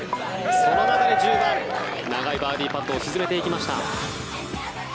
その中で１０番長いバーディーパットを沈めていきました。